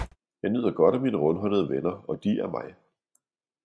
Jeg nyder godt af mine rundhåndede venner, og de af mig.